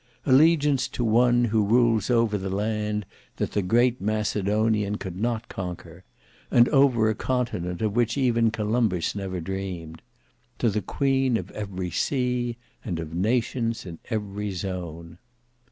Allegiance to one who rules over the land that the great Macedonian could not conquer; and over a continent of which even Columbus never dreamed: to the Queen of every sea, and of nations in every zone.